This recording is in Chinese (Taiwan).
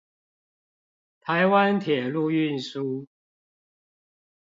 台灣鐵路運輸